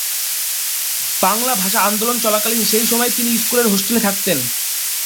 বাংলা ভাষা আন্দোলন চলাকালীন সেই সময়ে তিনি স্কুলের হোস্টেলে থাকতেন।